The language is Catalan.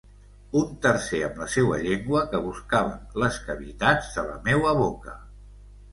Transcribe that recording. Un tercer amb la seua llengua que buscava les cavitats de la meua boca.